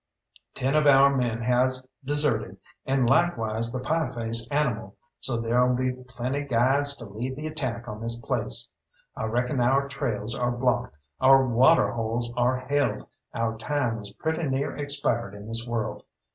Ten of our men has deserted, and likewise the Pieface animal, so there'll be plenty guides to lead the attack on this place. I reckon our trails are blocked, our water holes are held, our time is pretty near expired in this world.